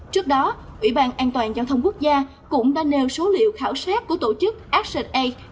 trước đó ủy ban an toàn giao thông quốc gia cũng đã nêu số liệu khảo sát của tổ chức asset ai